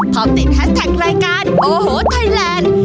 พร้อมติดแฮชแท็กรายการโอ้โหไทยแลนด์